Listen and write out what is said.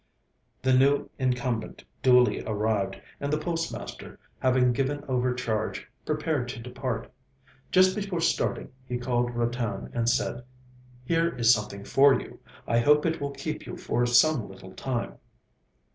The new incumbent duly arrived, and the postmaster, having given over charge, prepared to depart. Just before starting he called Ratan, and said: 'Here is something for you; I hope it will keep you for some little time.'